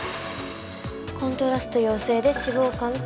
コントラスト陽性で脂肪肝と。